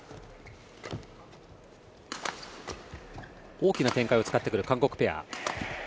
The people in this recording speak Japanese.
大きな展開を使ってくる韓国ペア。